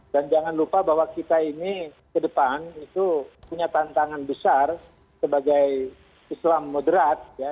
dan jangan lupa bahwa kita ini ke depan itu punya tantangan besar sebagai islam muderat ya